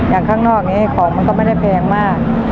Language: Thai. ข้างนอกนี้ของมันก็ไม่ได้แพงมาก